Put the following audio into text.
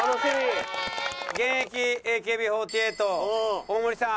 現役ＡＫＢ４８大盛さん。